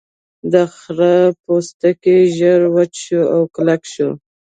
د خرۀ پوستکی ژر وچ شو او کلک شو.